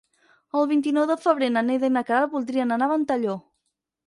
El vint-i-nou de febrer na Neida i na Queralt voldrien anar a Ventalló.